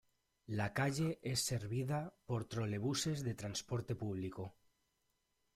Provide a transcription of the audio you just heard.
La calle es servida por trolebuses de transporte público.